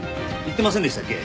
言ってませんでしたっけ？